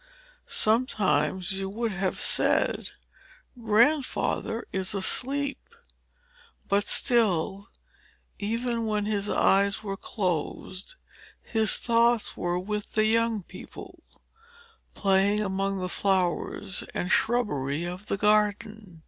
Sometimes you would have said, "Grandfather is asleep;" but still, even when his eyes were closed, his thoughts were with the young people, playing among the flowers and shrubbery of the garden.